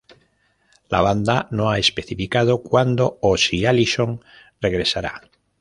La banda no ha especificado cuándo o si Allison regresará.